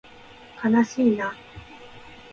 かなしいな